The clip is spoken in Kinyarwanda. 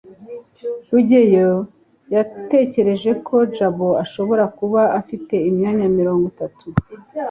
rugeyo yatekereje ko jabo ashobora kuba afite imyaka mirongo itatu